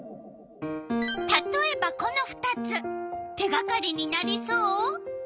たとえばこの２つ手がかりになりそう？